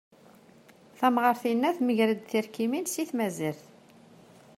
Tamɣart-inna temger-d tirkimin si tmazirt.